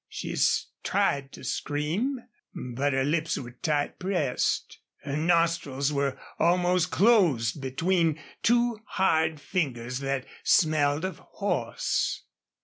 She tried to scream, but her lips were tight pressed. Her nostrils were almost closed between two hard fingers that smelled of horse.